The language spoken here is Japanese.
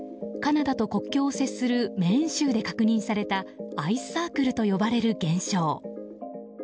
カナダと国境を接するメーン州で確認されたアイスサークルという現象。